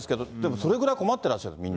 それくらい困ってらっしゃる。